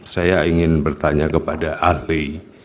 saya ingin bertanya kepada arbe